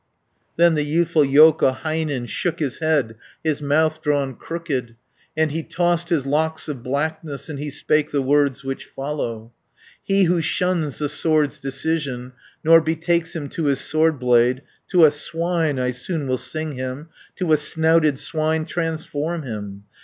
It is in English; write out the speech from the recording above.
270 Then the youthful Joukahainen Shook his head, his mouth drawn crooked, And he tossed his locks of blackness. And he spake the words which follow: "He who shuns the sword's decision, Nor betakes him to his sword blade, To a swine I soon will sing him, To a snouted swine transform him.